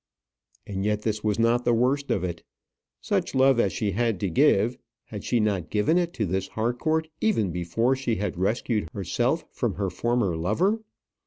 And yet this was not the worst of it. Such love as she had to give, had she not given it to this Harcourt even before she had rescued herself from her former lover?